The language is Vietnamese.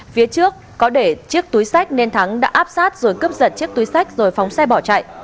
phía trước có để chiếc túi sách nên thắng đã áp sát rồi cướp giật chiếc túi sách rồi phóng xe bỏ chạy